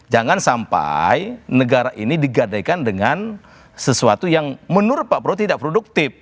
jangan sampai negara ini digadaikan dengan sesuatu yang menurut pak prabowo tidak produktif